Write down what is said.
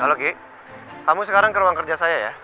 halo ki kamu sekarang ke ruang kerja saya ya